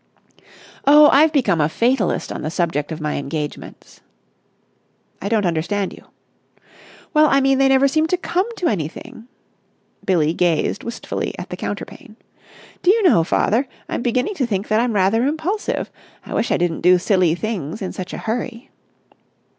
"Oh, I've become a fatalist on the subject of my engagements." "I don't understand you." "Well, I mean, they never seem to come to anything." Billie gazed wistfully at the counterpane. "Do you know, father, I'm beginning to think that I'm rather impulsive. I wish I didn't do silly things in such a hurry."